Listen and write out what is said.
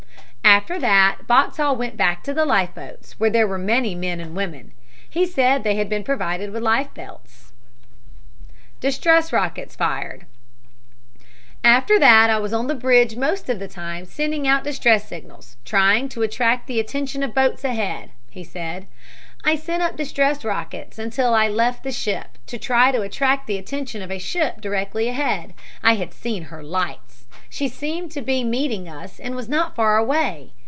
After that Boxhall went back to the life boats, where there were many men and women. He said they had been provided with life belts. {illust. caption = THE EFFECTS OF STRIKING AN ICEBERG (1) Shows normal....} DISTRESS ROCKETS FIRED "After that I was on the bridge most of the time sending out distress signals, trying to attract the attention of boats ahead," he said. "I sent up distress rockets until I left the ship, to try to attract the attention of a ship directly ahead. I had seen her lights. She seemed to be meeting us and was not far away.